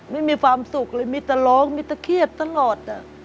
ไม่มีความสุขเลยมีแต่ร้องมีตะเครียดตลอด